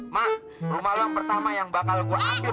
mak rumah lo yang pertama yang bakal gue ambil